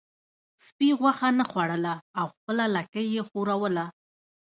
سپي غوښه نه خوړله او خپله لکۍ یې ښوروله.